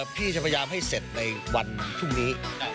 พี่จะพยายามให้เสร็จในวันพรุ่งนี้